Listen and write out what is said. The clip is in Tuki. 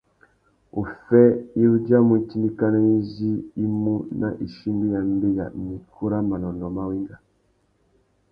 Uffê i udjamú itindikana izí i mú nà ichimbî ya mbeya na ikú râ manônōh mà wenga.